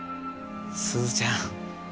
すずちゃん